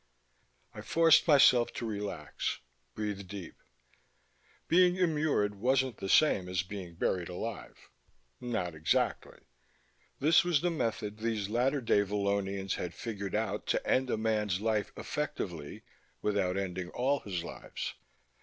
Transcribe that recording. I forced myself to relax, breathe deep. Being immured wasn't the same as being buried alive not exactly. This was the method these latter day Vallonians had figured out to end a man's life effectively ... without ending all his lives.